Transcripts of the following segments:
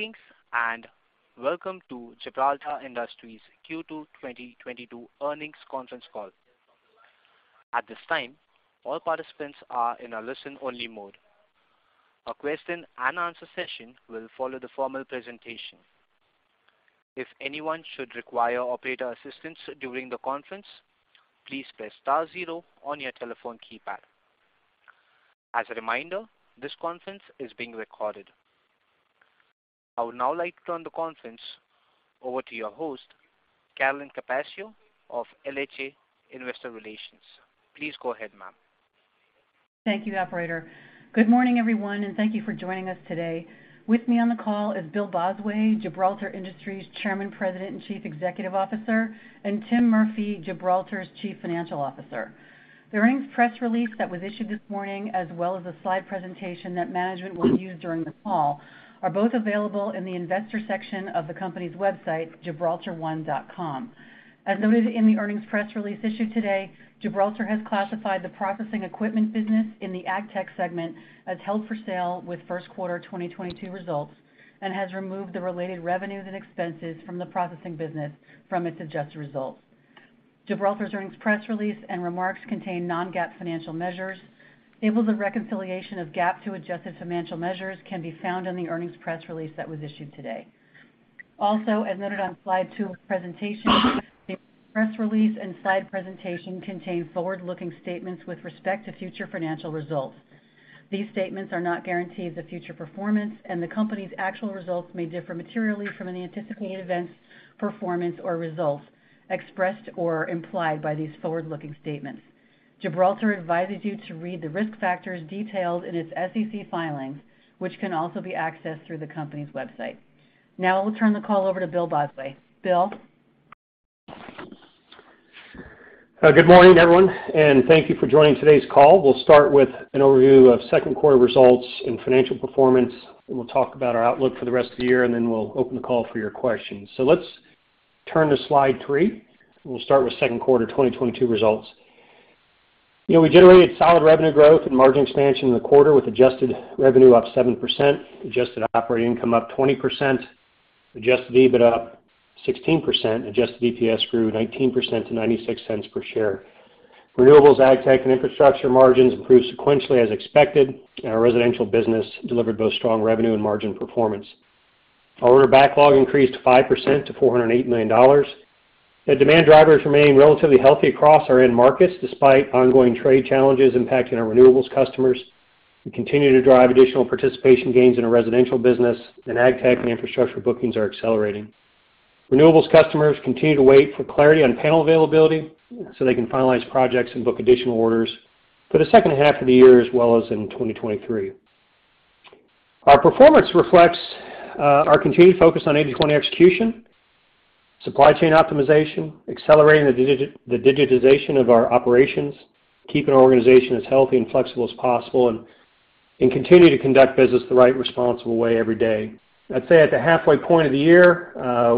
Thanks, welcome toGibraltar Industries Q2 2022 earnings conference call. At this time, all participants are in a listen-only mode. A question-and-answer session will follow the formal presentation. If anyone should require operator assistance during the conference, please press star zero on your telephone keypad. As a reminder, this conference is being recorded. I would now like to turn the conference over to your host, Carolyn Capaccio of LHA Investor Relations. Please go ahead, ma'am. Thank you, operator. Good morning, everyone, and thank you for joining us today. With me on the call is Bill Bosway, Gibraltar Industries Chairman, President, and Chief Executive Officer, and Tim Murphy, Gibraltar's Chief Financial Officer. The earnings press release that was issued this morning, as well as the slide presentation that management will use during the call, are both available in the investor section of the company's website, gibraltar1.com. As noted in the earnings press release issued today, Gibraltar has classified the processing equipment business in the Agtech segment as held for sale with first quarter 2022 results and has removed the related revenues and expenses from the processing business from its adjusted results. Gibraltar's earnings press release and remarks contain non-GAAP financial measures. Tables of reconciliation of GAAP to adjusted financial measures can be found on the earnings press release that was issued today. Also, as noted on slide two of the presentation, the press release and slide presentation contain forward-looking statements with respect to future financial results. These statements are not guarantees of future performance, and the company's actual results may differ materially from any anticipated events, performance, or results expressed or implied by these forward-looking statements. Gibraltar advises you to read the risk factors detailed in its SEC filings, which can also be accessed through the company's website. Now I'll turn the call over to Bill Bosway. Bill? Good morning, everyone, and thank you for joining today's call. We'll start with an overview of second quarter results and financial performance, and we'll talk about our outlook for the rest of the year, and then we'll open the call for your questions. Let's turn to slide three, and we'll start with second quarter 2022 results. You know, we generated solid revenue growth and margin expansion in the quarter with adjusted revenue up 7%, adjusted operating income up 20%, adjusted EBIT up 16%, adjusted EPS grew 19% to $0.96 per share. Renewable, Agtech, and Infrastructure margins improved sequentially as expected, and our Residential business delivered both strong revenue and margin performance. Our order backlog increased 5% to $408 million. The demand drivers remain relatively healthy across our end markets despite ongoing trade challenges impacting our Renewable customers and continue to drive additional participation gains in our Residential business and Agtech and Infrastructure bookings are accelerating. Renewable customers continue to wait for clarity on panel availability so they can finalize projects and book additional orders for the second half of the year as well as in 2023. Our performance reflects our continued focus on 80/20 execution, supply chain optimization, accelerating the digitization of our operations, keeping our organization as healthy and flexible as possible, and continuing to conduct business the right responsible way every day. I'd say at the halfway point of the year,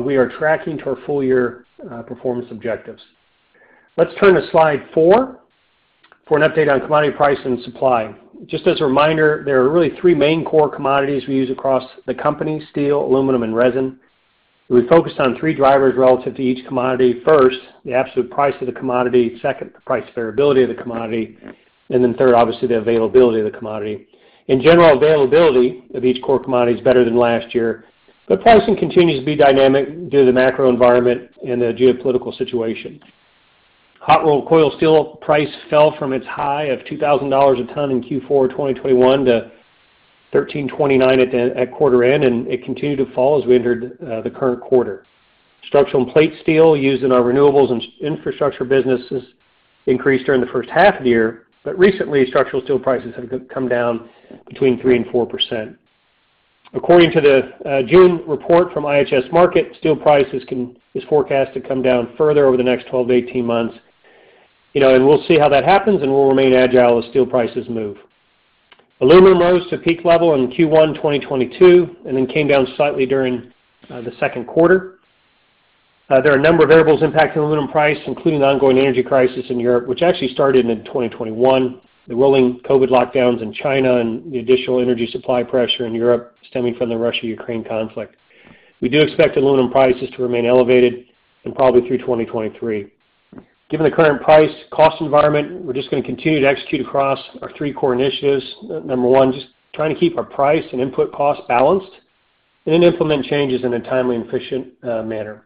we are tracking to our full year performance objectives. Let's turn to slide 4 for an update on commodity price and supply. Just as a reminder, there are really three main core commodities we use across the company, steel, aluminum, and resin. We focused on three drivers relative to each commodity. First, the absolute price of the commodity. Second, the price variability of the commodity. Third, obviously, the availability of the commodity. In general, availability of each core commodity is better than last year, but pricing continues to be dynamic due to the macro environment and the geopolitical situation. Hot rolled coil steel price fell from its high of $2,000 a ton in Q4 2021 to $1,329 at quarter end, and it continued to fall as we entered the current quarter. Structural and plate steel used in our Renewable and Infrastructure businesses increased during the first half of the year, but recently, structural steel prices have come down between 3% and 4%. According to the June report from IHS Markit, steel prices is forecast to come down further over the next 12-18 months. You know, we'll see how that happens, and we'll remain agile as steel prices move. Aluminum rose to peak level in Q1 2022 and then came down slightly during the second quarter. There are a number of variables impacting aluminum price, including the ongoing energy crisis in Europe, which actually started in 2021, the rolling COVID lockdowns in China, and the additional energy supply pressure in Europe stemming from the Russia-Ukraine conflict. We do expect aluminum prices to remain elevated and probably through 2023. Given the current price cost environment, we're just gonna continue to execute across our three core initiatives. Number one, just trying to keep our price and input costs balanced and then implement changes in a timely and efficient manner.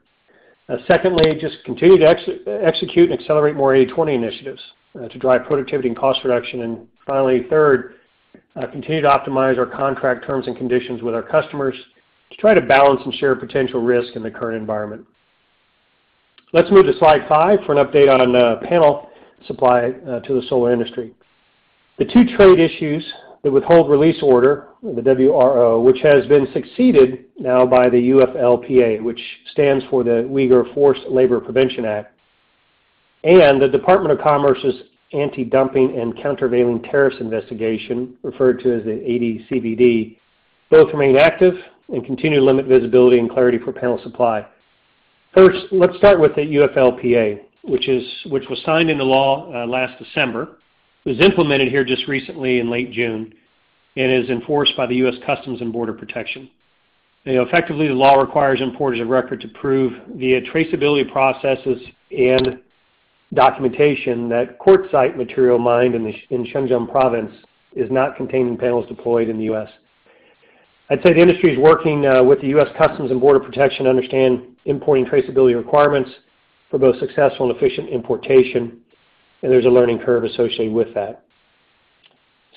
Secondly, just continue to execute and accelerate more 80/20 initiatives to drive productivity and cost reduction. Finally, third, continue to optimize our contract terms and conditions with our customers to try to balance and share potential risk in the current environment. Let's move to slide 5 for an update on panel supply to the solar industry. The two trade issues, the Withhold Release Order (WRO), which has been succeeded now by the UFLPA, which stands for the Uyghur Forced Labor Prevention Act, and the Department of Commerce's anti-dumping and countervailing duties investigation, referred to as the AD/CVD, both remain active and continue to limit visibility and clarity for panel supply. First, let's start with the UFLPA, which was signed into law last December. It was implemented here just recently in late June, and is enforced by the U.S. Customs and Border Protection. You know, effectively, the law requires importers of record to prove via traceability processes and documentation that polysilicon material mined in Xinjiang Province is not contained in panels deployed in the U.S. I'd say the industry is working with the U.S. Customs and Border Protection to understand importing traceability requirements for both successful and efficient importation, and there's a learning curve associated with that.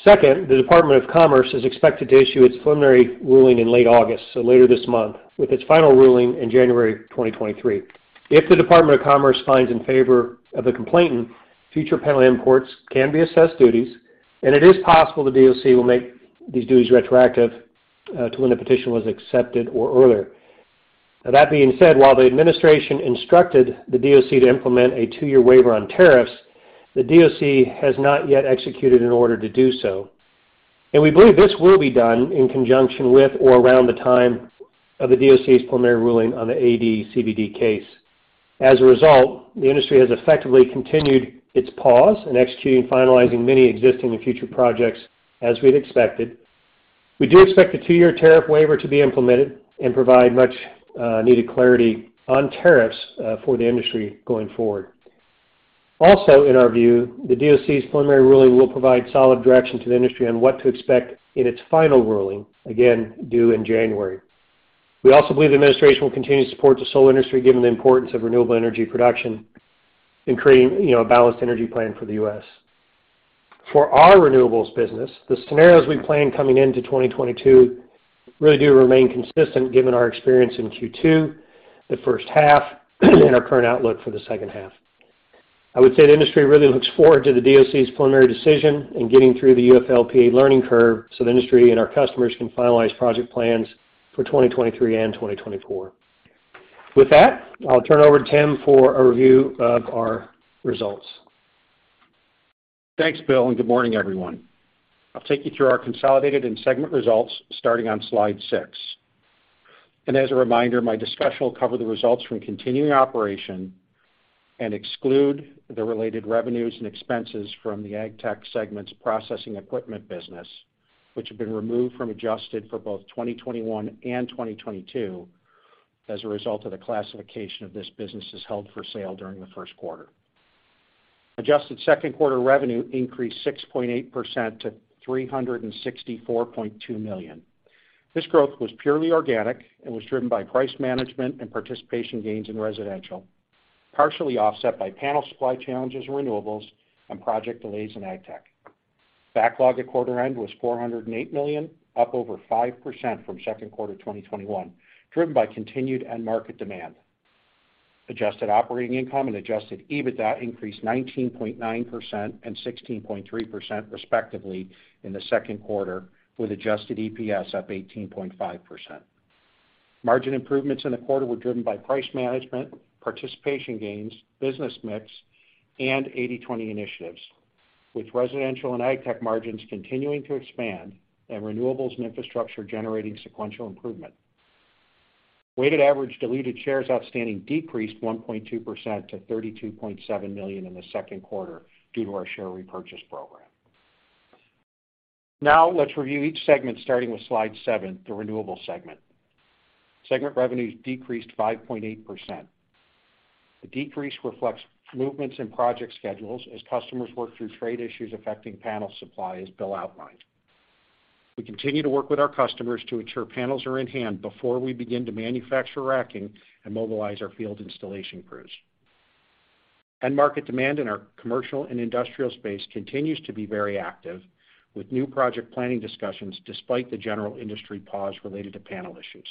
Second, the U.S. Department of Commerce is expected to issue its preliminary ruling in late August, so later this month, with its final ruling in January 2023. If the U.S. Department of Commerce finds in favor of the complainant, future panel imports can be assessed duties, and it is possible the DOC will make these duties retroactive to when the petition was accepted or earlier. Now that being said, while the administration instructed the DOC to implement a two-year waiver on tariffs, the DOC has not yet executed an order to do so. We believe this will be done in conjunction with or around the time of the DOC's preliminary ruling on the AD/CVD case. As a result, the industry has effectively continued its pause in executing and finalizing many existing and future projects as we'd expected. We do expect the two-year tariff waiver to be implemented and provide much needed clarity on tariffs for the industry going forward. Also, in our view, the DOC's preliminary ruling will provide solid direction to the industry on what to expect in its final ruling, again, due in January 2023. We also believe the administration will continue to support the solar industry given the importance of Renewable Energy production in creating, you know, a balanced energy plan for the U.S. For our Renewable business, the scenarios we plan coming into 2022 really do remain consistent given our experience in Q2, the first half, and our current outlook for the second half. I would say the industry really looks forward to the DOC's preliminary decision and getting through the UFLPA learning curve so the industry and our customers can finalize project plans for 2023 and 2024. With that, I'll turn over to Tim for a review of our results. Thanks, Bill, and good morning, everyone. I'll take you through our consolidated and segment results starting on slide 6. As a reminder, my discussion will cover the results from continuing operation and exclude the related revenues and expenses from the Agtech segment's processing equipment business, which have been removed from adjusted for both 2021 and 2022 as a result of the classification of this business as held for sale during the first quarter. Adjusted second quarter revenue increased 6.8% to $364.2 million. This growth was purely organic and was driven by price management and participation gains in Residential, partially offset by panel supply challenges in Renewable and project delays in Agtech. Backlog at quarter end was $408 million, up over 5% from second quarter 2021, driven by continued end market demand. Adjusted operating income and adjusted EBITDA increased 19.9% and 16.3% respectively in the second quarter, with adjusted EPS up 18.5%. Margin improvements in the quarter were driven by price management, participation gains, business mix, and 80/20 initiatives, with Residential and Agtech margins continuing to expand and Renewable and Infrastructure generating sequential improvement. Weighted average diluted shares outstanding decreased 1.2% to 32.7 million in the second quarter due to our share repurchase program. Now let's review each segment starting with slide 7, the Renewable segment. Segment revenues decreased 5.8%. The decrease reflects movements in project schedules as customers work through trade issues affecting panel supply, as Bill outlined. We continue to work with our customers to ensure panels are in hand before we begin to manufacture racking and mobilize our field installation crews. End market demand in our commercial and industrial space continues to be very active, with new project planning discussions despite the general industry pause related to panel issues.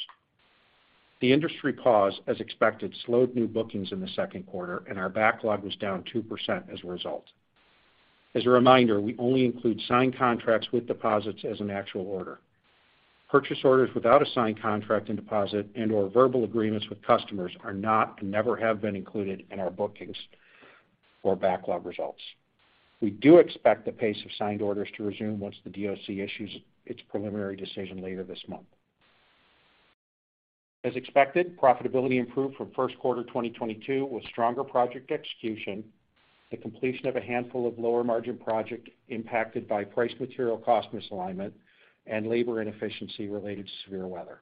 The industry pause, as expected, slowed new bookings in the second quarter, and our backlog was down 2% as a result. As a reminder, we only include signed contracts with deposits as an actual order. Purchase orders without a signed contract and deposit and/or verbal agreements with customers are not and never have been included in our bookings or backlog results. We do expect the pace of signed orders to resume once the DOC issues its preliminary decision later this month. As expected, profitability improved from first quarter 2022 with stronger project execution, the completion of a handful of lower-margin project impacted by price material cost misalignment and labor inefficiency related to severe weather.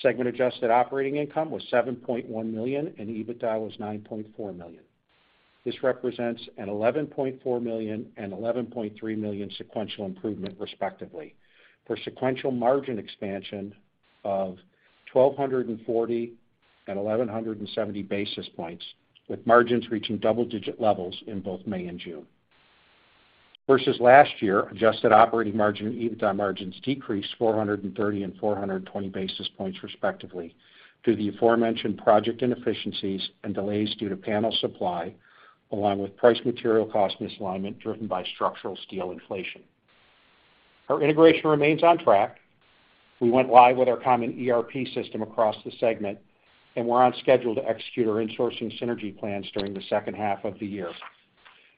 Segment adjusted operating income was $7.1 million, and EBITDA was $9.4 million. This represents an $11.4 million and $11.3 million sequential improvement respectively for sequential margin expansion of 1,240 and 1,170 basis points, with margins reaching double-digit levels in both May and June. Versus last year, adjusted operating margin and EBITDA margins decreased 430 and 420 basis points respectively due to the aforementioned project inefficiencies and delays due to panel supply along with price material cost misalignment driven by structural steel inflation. Our integration remains on track. We went live with our common ERP system across the segment, and we're on schedule to execute our insourcing synergy plans during the second half of the year.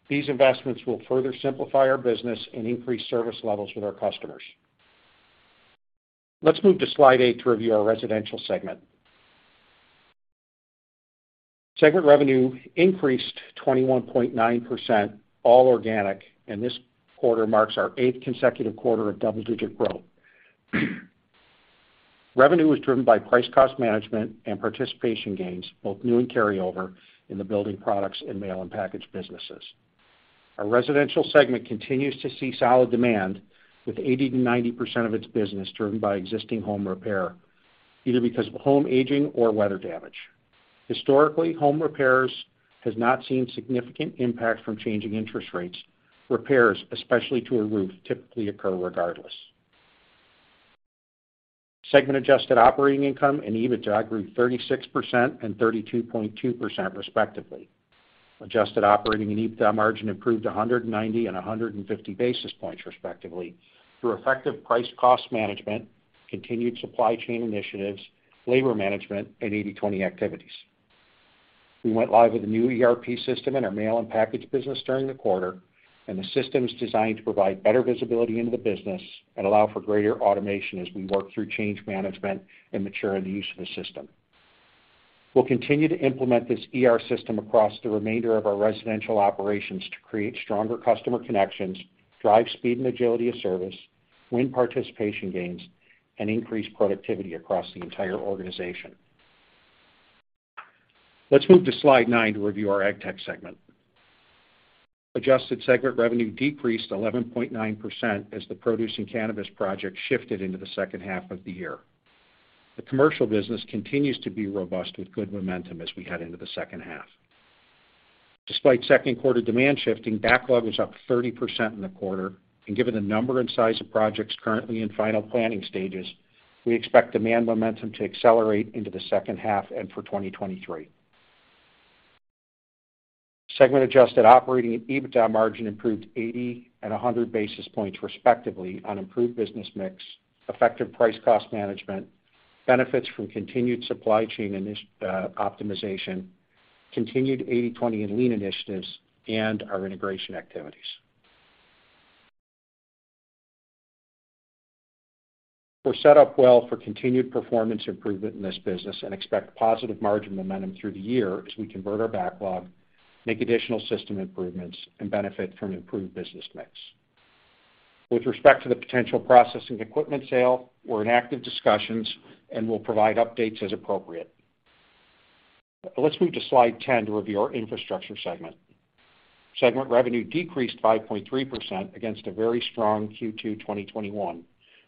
These investments will further simplify our business and increase service levels with our customers. Let's move to slide 8 to review our Residential segment. Segment revenue increased 21.9%, all organic, and this quarter marks our eighth consecutive quarter of double-digit growth. Revenue was driven by price cost management and participation gains, both new and carryover, in the building products and mail and package businesses. Our Residential segment continues to see solid demand with 80%-90% of its business driven by existing home repair, either because of home aging or weather damage. Historically, home repairs has not seen significant impact from changing interest rates. Repairs, especially to a roof, typically occur regardless. Segment adjusted operating income and EBITDA grew 36% and 32.2% respectively. Adjusted operating and EBITDA margin improved 190 and 150 basis points respectively through effective price cost management, continued supply chain initiatives, labor management, and 80/20 activities. We went live with a new ERP system in our mail and package business during the quarter, and the system is designed to provide better visibility into the business and allow for greater automation as we work through change management and mature in the use of the system. We'll continue to implement this ERP system across the remainder of our Residential operations to create stronger customer connections, drive speed and agility of service, win participation gains, and increase productivity across the entire organization. Let's move to slide 9 to review our Agtech segment. Adjusted segment revenue decreased 11.9% as the producing cannabis project shifted into the second half of the year. The commercial business continues to be robust with good momentum as we head into the second half. Despite second quarter demand shifting, backlog was up 30% in the quarter. Given the number and size of projects currently in final planning stages, we expect demand momentum to accelerate into the second half and for 2023. Segment adjusted operating and EBITDA margin improved 80 and 100 basis points respectively on improved business mix, effective price cost management, benefits from continued supply chain optimization, continued 80/20 and lean initiatives, and our integration activities. We're set up well for continued performance improvement in this business and expect positive margin momentum through the year as we convert our backlog, make additional system improvements, and benefit from improved business mix. With respect to the potential processing equipment sale, we're in active discussions, and we'll provide updates as appropriate. Let's move to slide 10 to review our infrastructure segment. Segment revenue decreased 5.3% against a very strong Q2 2021,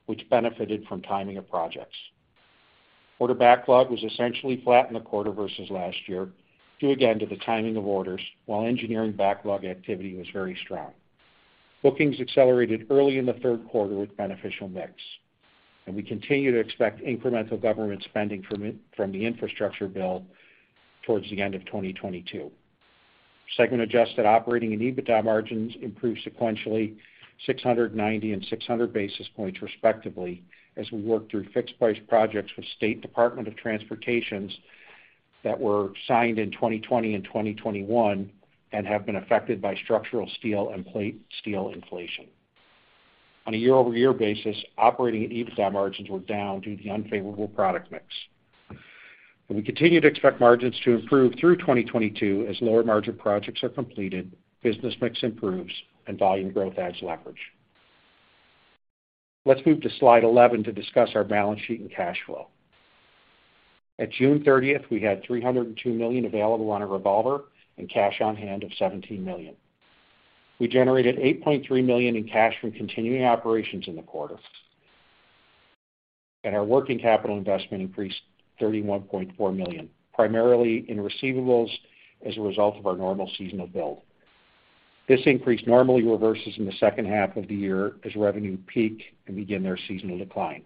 which benefited from timing of projects. Order backlog was essentially flat in the quarter versus last year, due again to the timing of orders, while engineering backlog activity was very strong. Bookings accelerated early in the third quarter with beneficial mix, and we continue to expect incremental government spending from the infrastructure bill towards the end of 2022. Segment adjusted operating and EBITDA margins improved sequentially 690 and 600 basis points respectively as we worked through fixed-price projects with State Departments of Transportation that were signed in 2020 and 2021 and have been affected by structural steel and plate steel inflation. On a year-over-year basis, operating and EBITDA margins were down due to the unfavorable product mix. We continue to expect margins to improve through 2022 as lower margin projects are completed, business mix improves, and volume growth adds leverage. Let's move to slide 11 to discuss our balance sheet and cash flow. At June 30, we had $302 million available on a revolver and cash on hand of $17 million. We generated $8.3 million in cash from continuing operations in the quarter, and our working capital investment increased $31.4 million, primarily in receivables as a result of our normal seasonal build. This increase normally reverses in the second half of the year as revenue peak and begin their seasonal decline.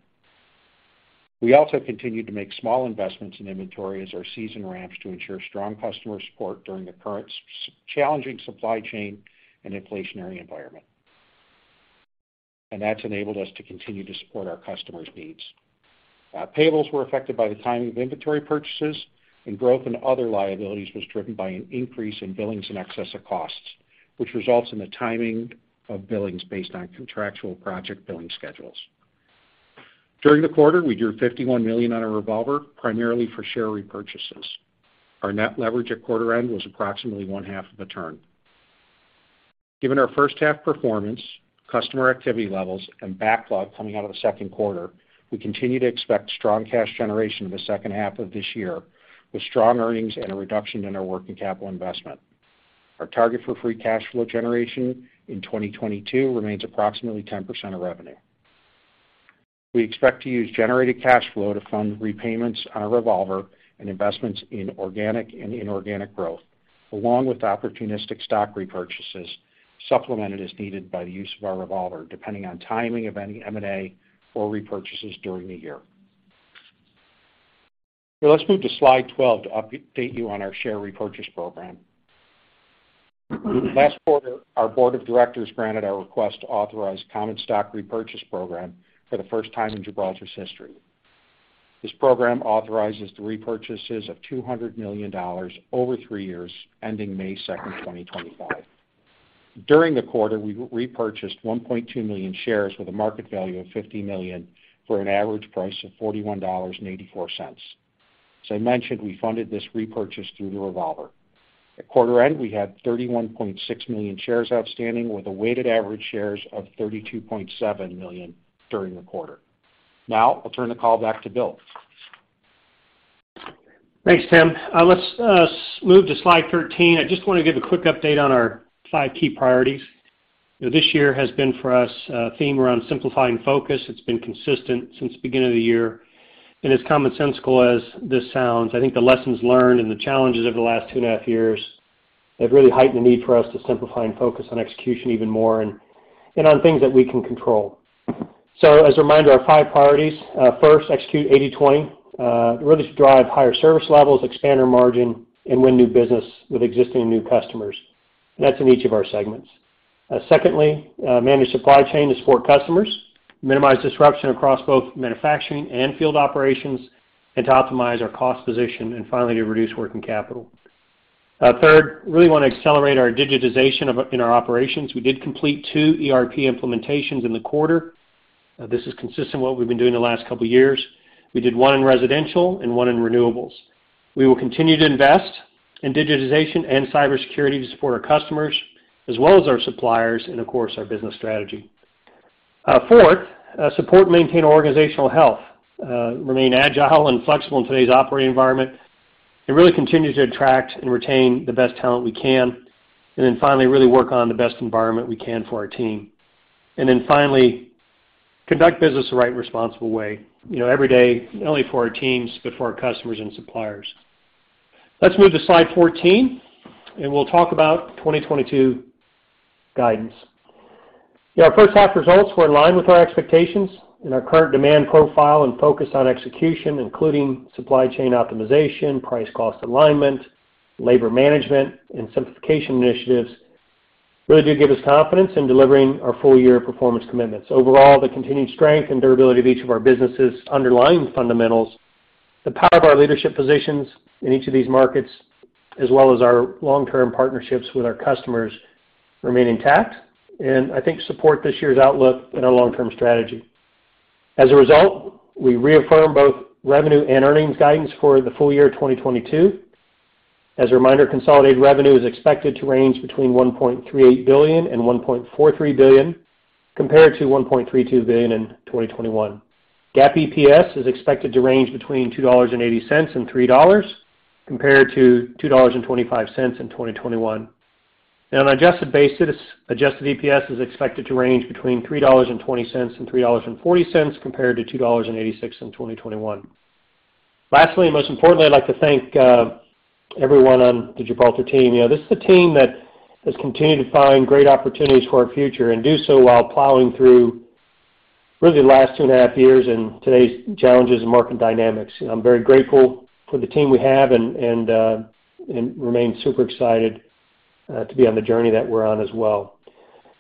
We also continued to make small investments in inventory as our season ramps to ensure strong customer support during the current challenging supply chain and inflationary environment. That's enabled us to continue to support our customers' needs. Payables were affected by the timing of inventory purchases, and growth in other liabilities was driven by an increase in billings in excess of costs, which results in the timing of billings based on contractual project billing schedules. During the quarter, we drew $51 million on a revolver, primarily for share repurchases. Our net leverage at quarter end was approximately one-half of a turn. Given our first half performance, customer activity levels, and backlog coming out of the second quarter, we continue to expect strong cash generation in the second half of this year, with strong earnings and a reduction in our working capital investment. Our target for free cash flow generation in 2022 remains approximately 10% of revenue. We expect to use generated cash flow to fund repayments on our revolver and investments in organic and inorganic growth, along with opportunistic stock repurchases, supplemented as needed by the use of our revolver, depending on timing of any M&A or repurchases during the year. Let's move to slide 12 to update you on our share repurchase program. Last quarter, our Board of Directors granted our request to authorize a common stock repurchase program for the first time in Gibraltar's history. This program authorizes the repurchases of $200 million over three years ending May 2, 2025. During the quarter, we repurchased 1.2 million shares with a market value of $50 million for an average price of $41.84. As I mentioned, we funded this repurchase through the revolver. At quarter end, we had 31.6 million shares outstanding with a weighted average shares of 32.7 million during the quarter. Now I'll turn the call back to Bill. Thanks, Tim. Let's move to slide 13. I just wanna give a quick update on our five key priorities. You know, this year has been for us a theme around simplifying focus. It's been consistent since the beginning of the year. As common-sensical as this sounds, I think the lessons learned and the challenges of the last two and a half years have really heightened the need for us to simplify and focus on execution even more and on things that we can control. As a reminder, our five priorities, first execute 80/20, really to drive higher service levels, expand our margin, and win new business with existing and new customers. That's in each of our segments. Secondly, manage supply chain to support customers, minimize disruption across both manufacturing and field operations, and to optimize our cost position and finally to reduce working capital. Third, really wanna accelerate our digitization in our operations. We did complete two ERP implementations in the quarter. This is consistent with what we've been doing the last couple years. We did one in Residential and one in Renewable. We will continue to invest in digitization and cybersecurity to support our customers as well as our suppliers and, of course, our business strategy. Fourth, support and maintain organizational health, remain agile and flexible in today's operating environment, and really continue to attract and retain the best talent we can. Finally, really work on the best environment we can for our team. Finally, conduct business the right and responsible way, you know, every day, not only for our teams, but for our customers and suppliers. Let's move to slide 14, and we'll talk about 2022 guidance. Our first half results were in line with our expectations and our current demand profile and focus on execution, including supply chain optimization, price cost alignment, labor management, and simplification initiatives really do give us confidence in delivering our full year performance commitments. Overall, the continued strength and durability of each of our businesses' underlying fundamentals, the power of our leadership positions in each of these markets, as well as our long-term partnerships with our customers remain intact and I think support this year's outlook and our long-term strategy. As a result, we reaffirm both revenue and earnings guidance for the full year 2022. As a reminder, consolidated revenue is expected to range between $1.38 billion and $1.43 billion, compared to $1.32 billion in 2021. GAAP EPS is expected to range between $2.80 and $3.00 compared to $2.25 in 2021. On an adjusted basis, adjusted EPS is expected to range between $3.20 and $3.40 compared to $2.86 in 2021. Lastly, and most importantly, I'd like to thank everyone on the Gibraltar team. You know, this is a team that has continued to find great opportunities for our future and do so while plowing through really the last two and a half years and today's challenges and market dynamics. You know, I'm very grateful for the team we have and remain super excited to be on the journey that we're on as well.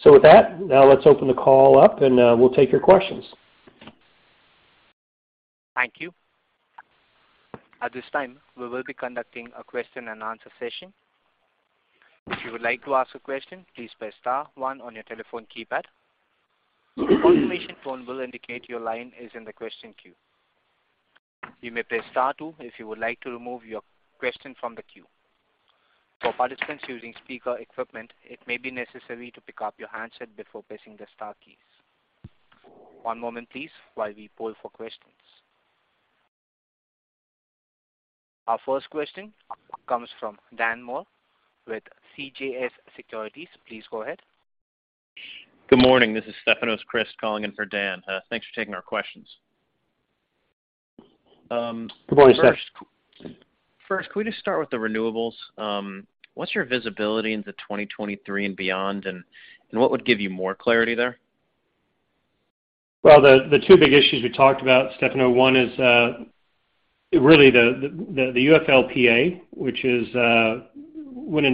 With that, now let's open the call up and we'll take your questions. Thank you. At this time, we will be conducting a question and answer session. If you would like to ask a question, please press star one on your telephone keypad. A confirmation tone will indicate your line is in the question queue. You may press star two if you would like to remove your question from the queue. For participants using speaker equipment, it may be necessary to pick up your handset before pressing the star keys. One moment please while we poll for questions. Our first question comes from Daniel Moore with CJS Securities. Please go ahead. Good morning. This is Stefanos Crist calling in for Dan. Thanks for taking our questions. Good morning, Stef. First, could we just start with the Renewable? What's your visibility into 2023 and beyond, and what would give you more clarity there? Well, the two big issues we talked about, Stefanos, one is really the UFLPA, which went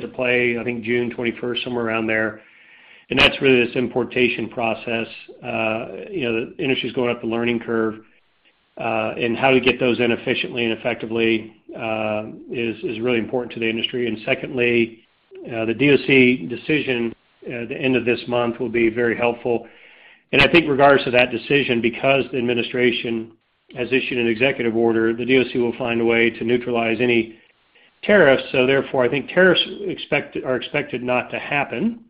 into play, I think June 21st, somewhere around there. That's really this importation process. You know, the industry is going up the learning curve, and how to get those in efficiently and effectively is really important to the industry. Secondly, the DOC decision at the end of this month will be very helpful. I think regardless of that decision, because the administration has issued an executive order, the DOC will find a way to neutralize any tariffs. Therefore, I think tariffs are expected not to happen.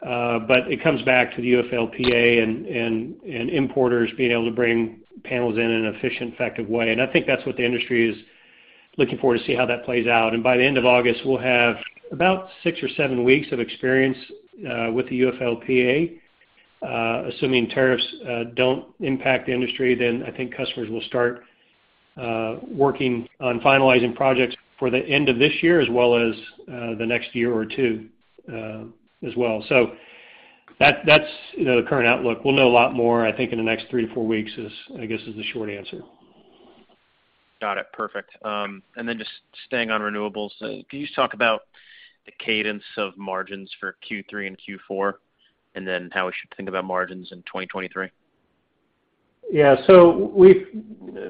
It comes back to the UFLPA and importers being able to bring panels in in an efficient, effective way. I think that's what the industry is looking for to see how that plays out. By the end of August, we'll have about six or seven weeks of experience with the UFLPA. Assuming tariffs don't impact the industry, then I think customers will start working on finalizing projects for the end of this year as well as the next year or two as well. That's, you know, the current outlook. We'll know a lot more, I think, in the next three to four weeks, I guess, is the short answer. Got it. Perfect. Just staying on Renewable, can you talk about the cadence of margins for Q3 and Q4, and then how we should think about margins in 2023? Yeah. We've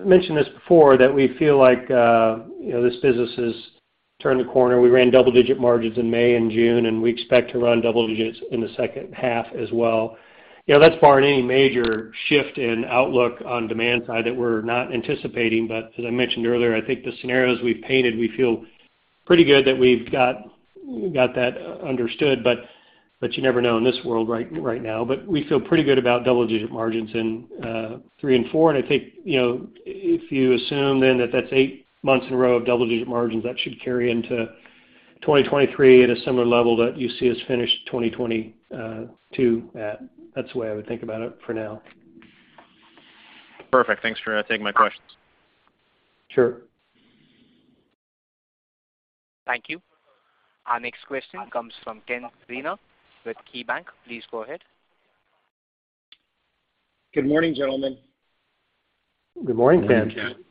mentioned this before, that we feel like, you know, this business has turned a corner. We ran double-digit margins in May and June, and we expect to run double digits in the second half as well. You know, that's barring any major shift in outlook on demand side that we're not anticipating. As I mentioned earlier, I think the scenarios we've painted, we feel pretty good that we've got that understood, but you never know in this world right now. We feel pretty good about double-digit margins in Q3 and Q4. I think, you know, if you assume then that that's eight months in a row of double-digit margins, that should carry into 2023 at a similar level that you see us finish 2022 at. That's the way I would think about it for now. Perfect. Thanks for taking my questions. Sure. Thank you. Our next question comes from Kenneth Zener with KeyBanc. Please go ahead. Good morning, gentlemen. Good morning, Ken. Good morning, Ken.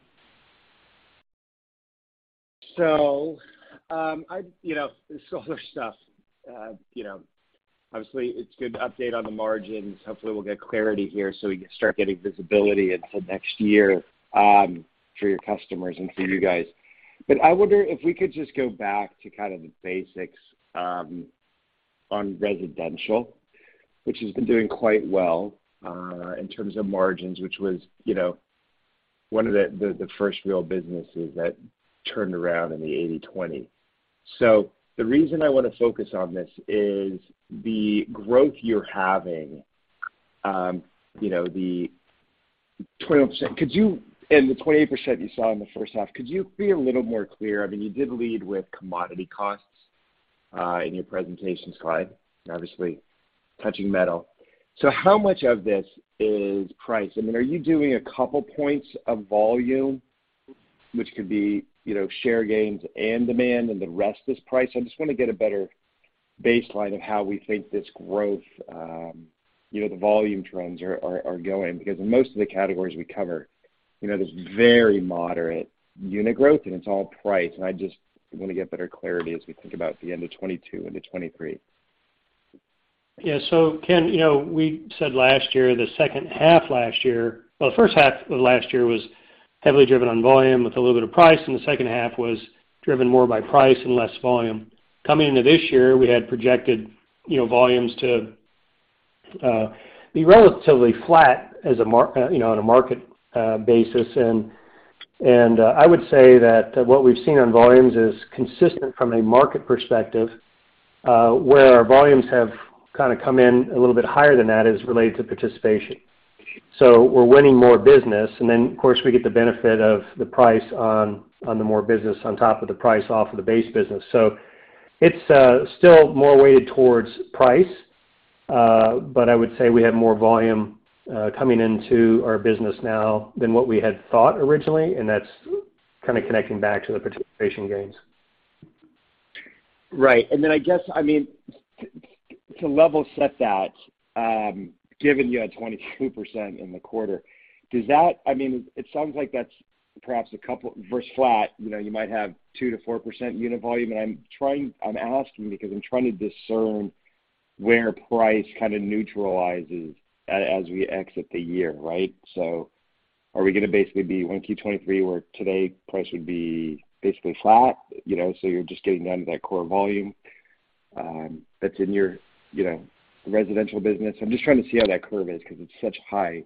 You know, the solar stuff, you know, obviously it's good to update on the margins. Hopefully, we'll get clarity here so we can start getting visibility into next year, for your customers and for you guys. I wonder if we could just go back to kind of the basics, on Residential, which has been doing quite well, in terms of margins, which was, you know, one of the first real businesses that turned around in the 80/20. The reason I wanna focus on this is the growth you're having, you know, the 20%. And the 28% you saw in the first half, could you be a little more clear? I mean, you did lead with commodity costs, in your presentation slide, obviously touching metal. How much of this is price? I mean, are you doing a couple points of volume which could be, you know, share gains and demand and the rest is price? I just wanna get a better baseline of how we think this growth, you know, the volume trends are going. Because in most of the categories we cover, you know, there's very moderate unit growth and it's all price. I just wanna get better clarity as we think about the end of 2022 into 2023. Ken, you know, we said last year, the second half last year. Well, the first half of last year was heavily driven on volume with a little bit of price, and the second half was driven more by price and less volume. Coming into this year, we had projected, you know, volumes to be relatively flat as a market, you know, on a market basis. I would say that what we've seen on volumes is consistent from a market perspective, where our volumes have kinda come in a little bit higher than that is related to participation. We're winning more business, and then of course, we get the benefit of the price on the more business on top of the price off of the base business. It's still more weighted towards price. I would say we have more volume coming into our business now than what we had thought originally, and that's kinda connecting back to the participation gains. Right. I guess, I mean, to level set that, given you had 22% in the quarter, does that? I mean, it sounds like that's perhaps a couple versus flat. You know, you might have 2%-4% unit volume. I'm asking because I'm trying to discern where price kinda neutralizes as we exit the year, right? Are we gonna basically be when Q2 2023 where today price would be basically flat, you know, so you're just getting down to that core volume, that's in your, you know, Residential business? I'm just trying to see how that curve is 'cause it's such high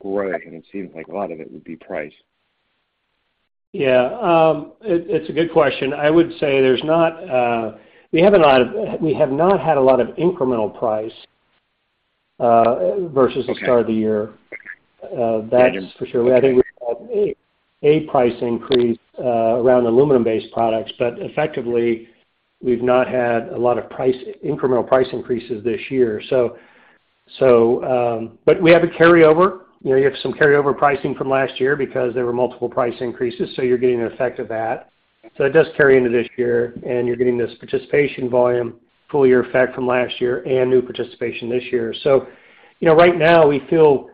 growth, and it seems like a lot of it would be price. Yeah. It's a good question. I would say we have not had a lot of incremental price versus the start of the year. Okay. That's for sure. I think we had a price increase around aluminum-based products, but effectively, we've not had a lot of incremental price increases this year. But we have a carryover. You know, you have some carryover pricing from last year because there were multiple price increases, so you're getting an effect of that. It does carry into this year, and you're getting this participation volume full year effect from last year and new participation this year. You know, right now we feel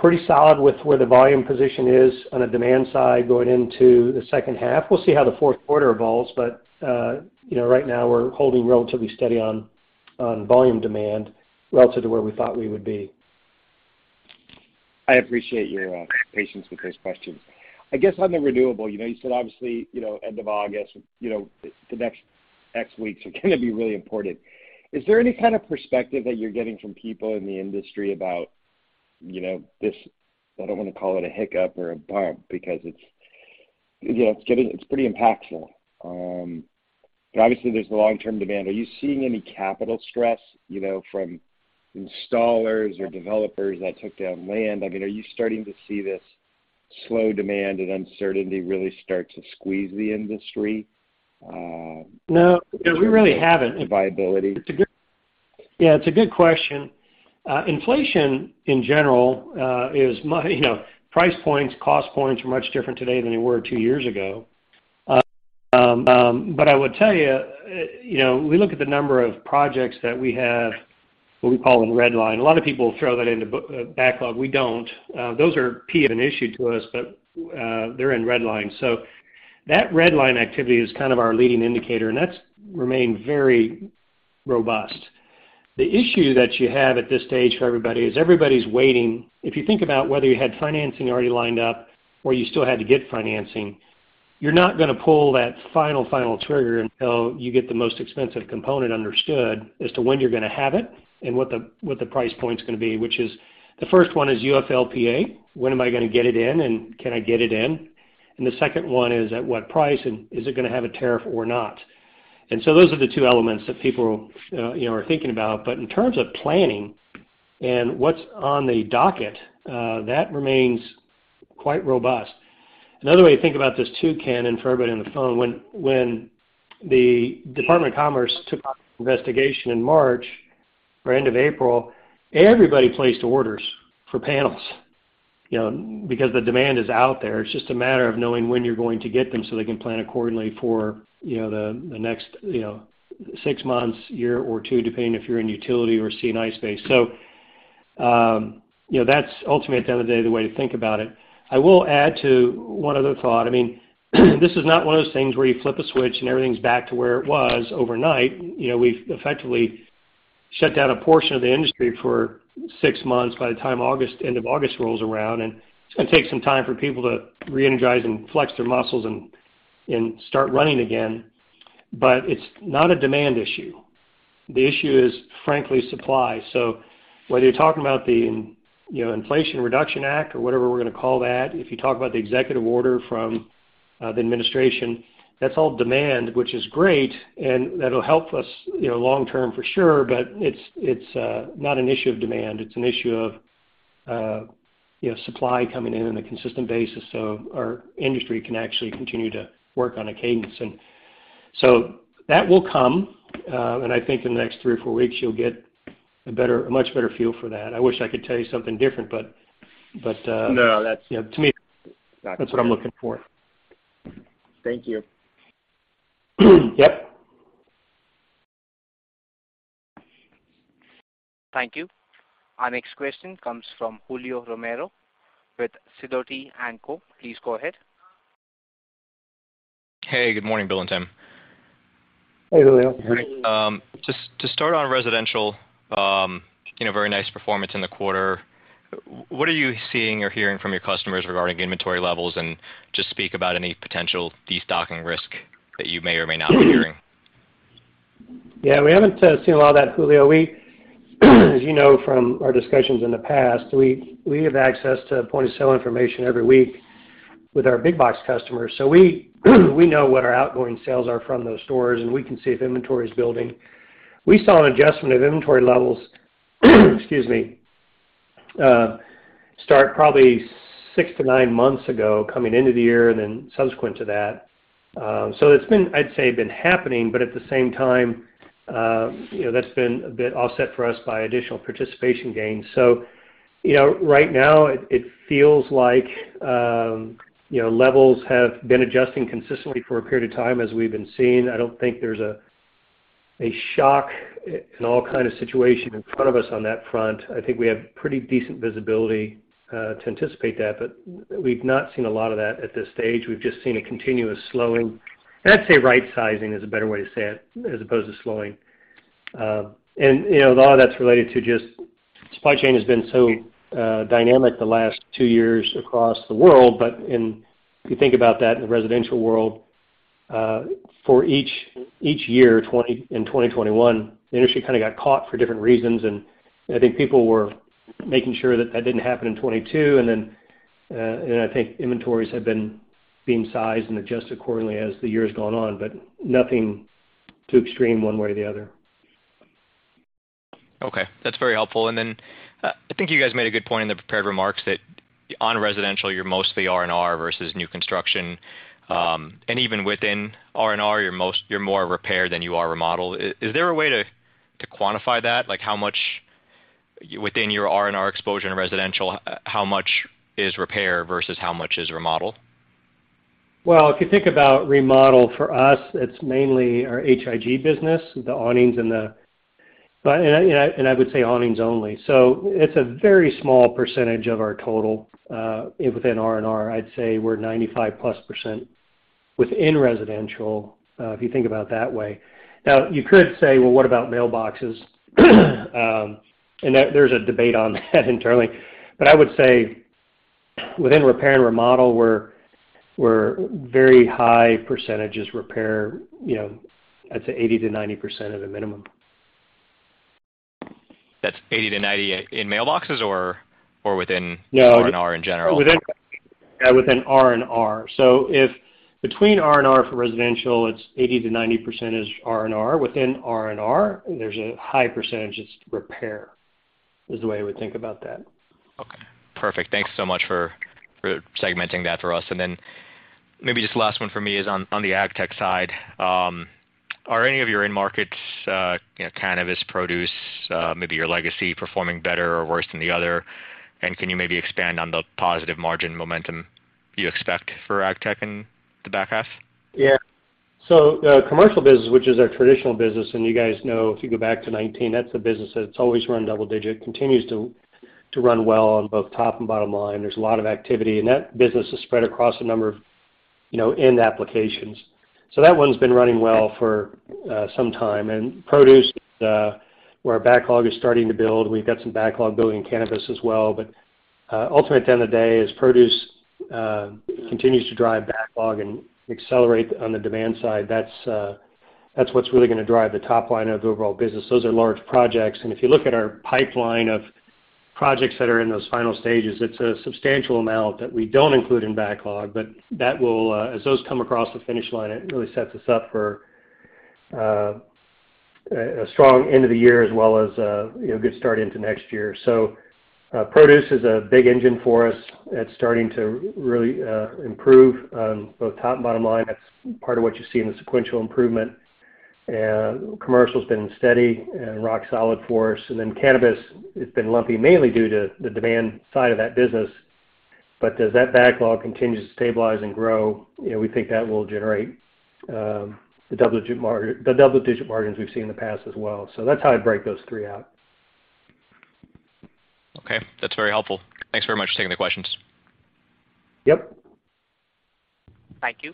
pretty solid with where the volume position is on a demand side going into the second half. We'll see how the fourth quarter evolves, but you know, right now we're holding relatively steady on volume demand relative to where we thought we would be. I appreciate your patience with those questions. I guess on the Renewable, you know, you said obviously, you know, end of August, you know, the next weeks are gonna be really important. Is there any kind of perspective that you're getting from people in the industry about, you know, this, I don't wanna call it a hiccup or a bump because it's, you know, it's pretty impactful. But obviously there's the long-term demand. Are you seeing any capital stress, you know, from installers or developers that took down land? I mean, are you starting to see this slow demand and uncertainty really start to squeeze the industry? No. We really haven't. viability? It's a good question. Inflation in general is you know, price points, cost points are much different today than they were two years ago. I would tell you know, we look at the number of projects that we have, what we call in Redline. A lot of people throw that into backlog. We don't. Those are not an issue to us, but they're in Redline. So that Redline activity is kind of our leading indicator, and that's remained very robust. The issue that you have at this stage for everybody is everybody's waiting. If you think about whether you had financing already lined up or you still had to get financing, you're not gonna pull that final trigger until you get the most expensive component understood as to when you're gonna have it and what the, what the price point's gonna be, which is the first one is UFLPA. When am I gonna get it in, and can I get it in? The second one is at what price, and is it gonna have a tariff or not? Those are the two elements that people, you know, are thinking about. In terms of planning and what's on the docket, that remains quite robust. Another way to think about this too, Ken, and for everybody on the phone, when the Department of Commerce took the investigation in March or end of April, everybody placed orders for panels, you know, because the demand is out there. It's just a matter of knowing when you're going to get them so they can plan accordingly for, you know, the next, you know, six months, year or two, depending if you're in utility or C&I space. You know, that's ultimately at the end of the day, the way to think about it. I will add to one other thought. I mean, this is not one of those things where you flip a switch and everything's back to where it was overnight. You know, we've effectively shut down a portion of the industry for six months by the time August, end of August rolls around. It's gonna take some time for people to reenergize and flex their muscles and start running again. It's not a demand issue. The issue is, frankly, supply. Whether you're talking about you know, Inflation Reduction Act or whatever we're gonna call that, if you talk about the executive order from the administration, that's all demand, which is great, and that'll help us, you know, long term for sure, but it's not an issue of demand. It's an issue of you know, supply coming in on a consistent basis so our industry can actually continue to work on a cadence. That will come, and I think in the next three or four weeks, you'll get a much better feel for that. I wish I could tell you something different, but. No, that's. You know, to me, that's what I'm looking for. Thank you. Yep. Thank you. Our next question comes from Julio Romero with Sidoti & Co. Please go ahead. Hey, good morning, Bill and Tim. Hey, Julio. Just to start on Residential, you know, very nice performance in the quarter. What are you seeing or hearing from your customers regarding inventory levels? Just speak about any potential destocking risk that you may or may not be hearing. Yeah, we haven't seen a lot of that, Julio. We, as you know from our discussions in the past, have access to point-of-sale information every week with our big box customers. We know what our outgoing sales are from those stores, and we can see if inventory is building. We saw an adjustment of inventory levels, excuse me, start probably six-nine months ago coming into the year and then subsequent to that. It's been, I'd say, happening, but at the same time, you know, that's been a bit offset for us by additional participation gains. You know, right now it feels like, you know, levels have been adjusting consistently for a period of time as we've been seeing. I don't think there's a shock in all kinds of situations in front of us on that front. I think we have pretty decent visibility to anticipate that, but we've not seen a lot of that at this stage. We've just seen a continuous slowing. I'd say rightsizing is a better way to say it as opposed to slowing. You know, a lot of that's related to just supply chain has been so dynamic the last two years across the world. But if you think about that in the Residential world, for each year, 2020 and 2021, the industry kind of got caught for different reasons. I think people were making sure that that didn't happen in 2022. I think inventories have been being sized and adjusted accordingly as the year's gone on, but nothing too extreme one way or the other. Okay. That's very helpful. I think you guys made a good point in the prepared remarks that on Residential, you're mostly R&R versus new construction. Even within R&R, you're more repair than you are remodel. Is there a way to quantify that? Like, how much within your R&R exposure in Residential, how much is repair versus how much is remodel? Well, if you think about remodel, for us, it's mainly our Residential business, the awnings and I would say awnings only. It's a very small percentage of our total within R&R. I'd say we're 95%+ within Residential if you think about that way. Now, you could say, "Well, what about mailboxes?" and that there's a debate on that internally. I would say within repair and remodel, we're very high percentages repair, you know, I'd say 80%-90% at a minimum. That's 80%-90% in mailboxes or within R&R in general? No, within R&R. If between R&R for Residential, it's 80%-90% is R&R. Within R&R, there's a high percentage it's repair, is the way I would think about that. Okay. Perfect. Thanks so much for segmenting that for us. Then maybe just the last one for me is on the Agtech side. Are any of your end markets, you know, cannabis, produce, maybe your legacy performing better or worse than the other? Can you maybe expand on the positive margin momentum you expect for Agtech in the back half? Yeah. The commercial business, which is our traditional business, and you guys know if you go back to 2019, that's the business that's always run double-digit, continues to run well on both top and bottom line. There's a lot of activity, and that business is spread across a number of, you know, end applications. That one's been running well for some time. Produce, where our backlog is starting to build, we've got some backlog building in cannabis as well. Ultimate end of the day is produce continues to drive backlog and accelerate on the demand side. That's, that's what's really gonna drive the top line of the overall business. Those are large projects. If you look at our pipeline of projects that are in those final stages, it's a substantial amount that we don't include in backlog, but that will, as those come across the finish line, it really sets us up for, a strong end of the year as well as, you know, a good start into next year. Produce is a big engine for us. It's starting to really improve on both top and bottom line. That's part of what you see in the sequential improvement. Commercial's been steady and rock solid for us. Cannabis, it's been lumpy mainly due to the demand side of that business. As that backlog continues to stabilize and grow, you know, we think that will generate the double-digit margins we've seen in the past as well. That's how I'd break those three out. Okay. That's very helpful. Thanks very much for taking the questions. Yep. Thank you.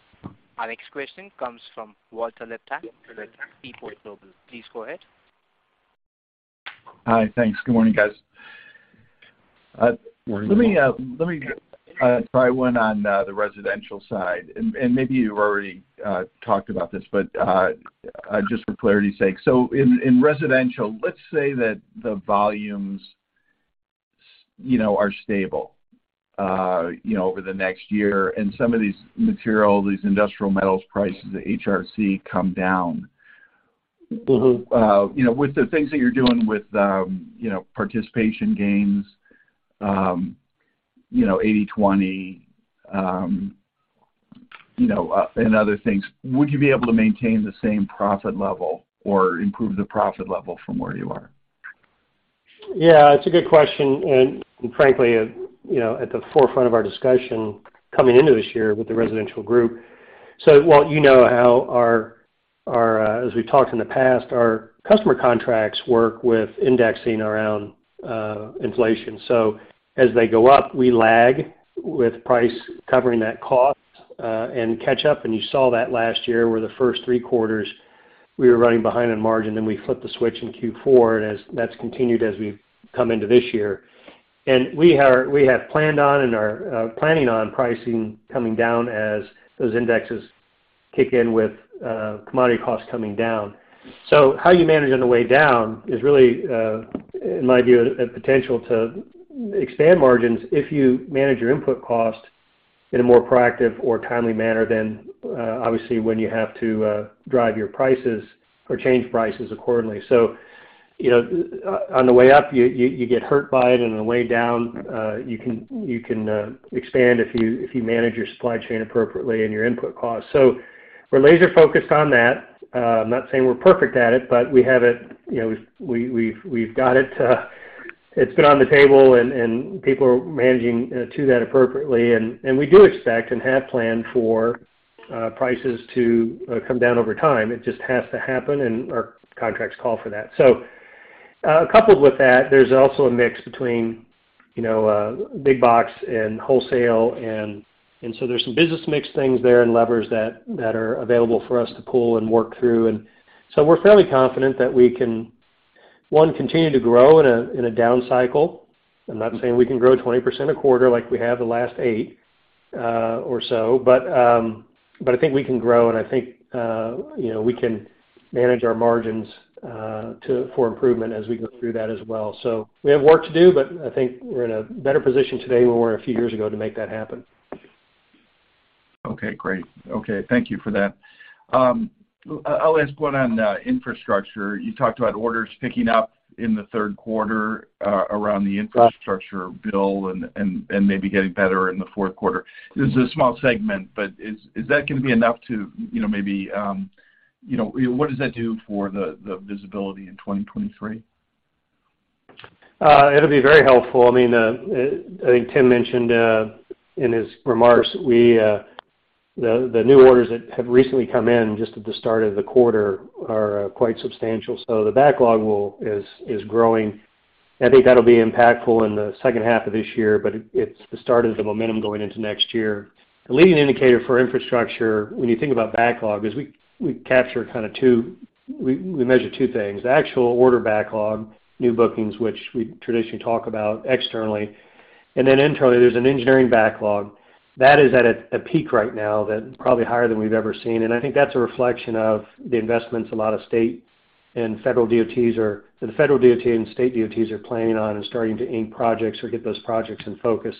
Our next question comes from Walter Liptak with Seaport Global. Please go ahead. Hi. Thanks. Good morning, guys. Let me try one on the Residential side, and maybe you've already talked about this, but just for clarity's sake. In Residential, let's say that the volumes, you know, are stable, you know, over the next year, and some of these materials, these industrial metals prices, the HRC come down. Mm-hmm. You know, with the things that you're doing with participation gains, you know, 80/20, you know, and other things, would you be able to maintain the same profit level or improve the profit level from where you are? Yeah, it's a good question, and frankly, you know, at the forefront of our discussion coming into this year with the Residential group. Walter, you know how, as we've talked in the past, our customer contracts work with indexing around inflation. As they go up, we lag with price covering that cost and catch up, and you saw that last year, where the first three quarters we were running behind on margin, then we flipped the switch in Q4, and that's continued as we've come into this year. We have planned on and are planning on pricing coming down as those indexes kick in with commodity costs coming down. How you manage on the way down is really, in my view, a potential to expand margins if you manage your input cost in a more proactive or timely manner than, obviously, when you have to, drive your prices or change prices accordingly. You know, on the way up, you get hurt by it, and on the way down, you can expand if you manage your supply chain appropriately and your input costs. We're laser focused on that. I'm not saying we're perfect at it, but we have it, you know, we've got it's been on the table and people are managing to that appropriately. We do expect and have planned for prices to come down over time. It just has to happen, and our contracts call for that. Coupled with that, there's also a mix between, you know, big box and wholesale, and so there's some business mix things there and levers that are available for us to pull and work through. We're fairly confident that we can, one, continue to grow in a down cycle. I'm not saying we can grow 20% a quarter like we have the last eight or so, but I think we can grow, and I think you know we can manage our margins to for improvement as we go through that as well. We have work to do, but I think we're in a better position today than we were a few years ago to make that happen. Okay, great. Okay, thank you for that. I'll ask one on Infrastructure. You talked about orders picking up in the third quarter around the infrastructure bill and maybe getting better in the fourth quarter. This is a small segment, but is that gonna be enough to, you know, maybe, you know. What does that do for the visibility in 2023? It'll be very helpful. I mean, I think Tim mentioned in his remarks, the new orders that have recently come in just at the start of the quarter are quite substantial, so the backlog is growing. I think that'll be impactful in the second half of this year, but it's the start of the momentum going into next year. The leading indicator for Infrastructure when you think about backlog is we measure two things, the actual order backlog, new bookings, which we traditionally talk about externally, and then internally, there's an engineering backlog. That is at a peak right now that's probably higher than we've ever seen, and I think that's a reflection of the investments a lot of state and federal DOTs are planning on and starting to ink projects or get those projects in focus.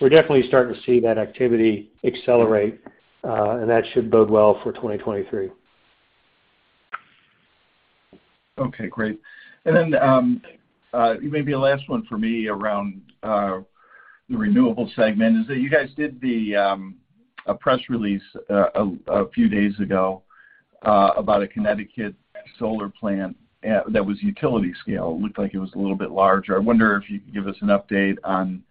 We're definitely starting to see that activity accelerate, and that should bode well for 2023. Okay, great. Maybe a last one for me around the Renewable segment is that you guys did a press release a few days ago about a Connecticut solar plant that was utility-scale. It looked like it was a little bit larger. I wonder if you could give us an update on,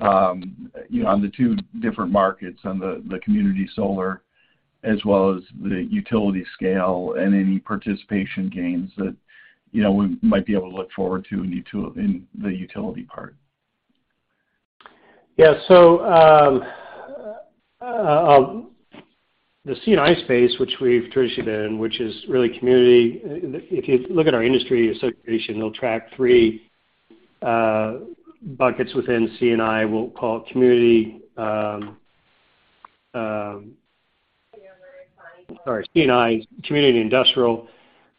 you know, on the two different markets, on the community solar as well as the utility scale and any participation gains that, you know, we might be able to look forward to in the utility part. Yeah. The C&I space, which we've traditionally been, which is really community. If you look at our industry association, they'll track three buckets within C&I. We'll call it community. Commercial and Industrial. Sorry, C&I, community Industrial,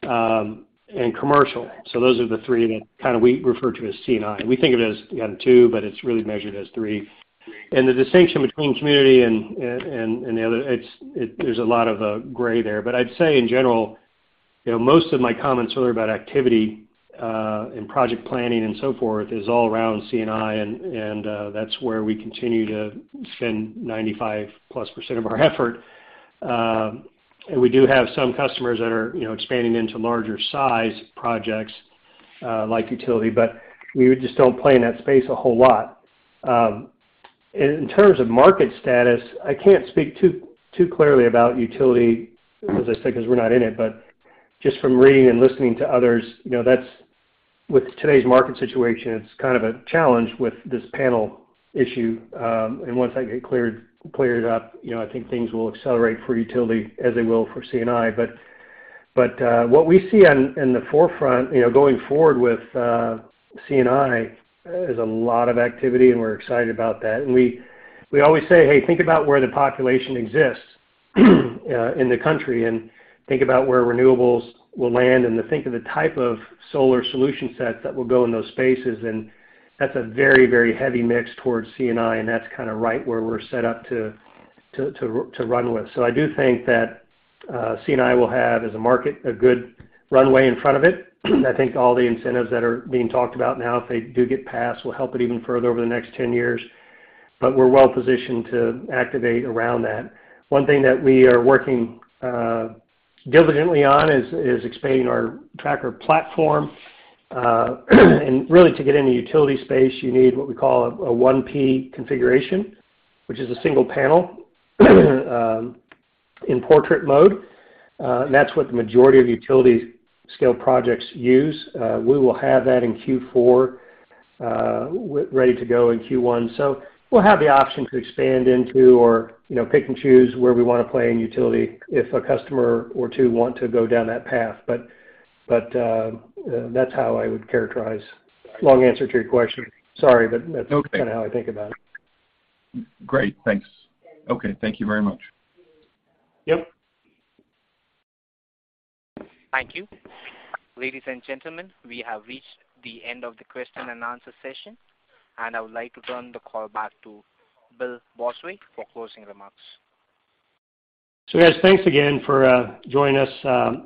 and commercial. Those are the three that kind of we refer to as C&I. We think of it as, you know, two, but it's really measured as three. The distinction between community and the other, there's a lot of gray there. I'd say in general, you know, most of my comments are about activity and project planning and so forth is all around C&I, and that's where we continue to spend 95%+ of our effort. We do have some customers that are, you know, expanding into larger size projects like utility, but we just don't play in that space a whole lot. In terms of market status, I can't speak too clearly about utility, as I said, because we're not in it. Just from reading and listening to others, you know, that's with today's market situation, it's kind of a challenge with this panel issue. Once that get cleared up, you know, I think things will accelerate for utility as they will for C&I. What we see in the forefront, you know, going forward with C&I is a lot of activity, and we're excited about that. We always say, "Hey, think about where the population exists in the country, and think about where Renewable will land, and then think of the type of solar solution set that will go in those spaces." That's a very, very heavy mix towards C&I, and that's kinda right where we're set up to run with. I do think that C&I will have, as a market, a good runway in front of it. I think all the incentives that are being talked about now, if they do get passed, will help it even further over the next 10 years. We're well positioned to activate around that. One thing that we are working diligently on is expanding our tracker platform. Really to get in the utility space, you need what we call a 1P configuration, which is a single panel in portrait mode, and that's what the majority of utility-scale projects use. We will have that in Q4, ready to go in Q1. We'll have the option to expand into or, you know, pick and choose where we wanna play in utility if a customer or two want to go down that path. That's how I would characterize. Long answer to your question. Sorry, but that's- Okay. Kinda how I think about it. Great. Thanks. Okay. Thank you very much. Yep. Thank you. Ladies and gentlemen, we have reached the end of the question and answer session, and I would like to turn the call back to Bill Bosway for closing remarks. Guys, thanks again for joining us.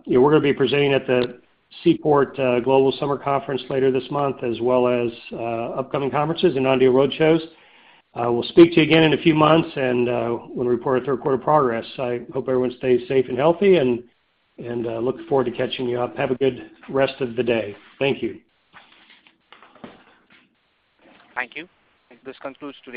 We're gonna be presenting at the Seaport Global Summer Conference later this month, as well as upcoming conferences and non-deal roadshows. We'll speak to you again in a few months and we'll report our third quarter progress. I hope everyone stays safe and healthy and look forward to catching you up. Have a good rest of the day. Thank you. Thank you. This concludes today's